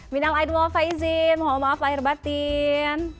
minal aidul faizin mohon maaf lahir batin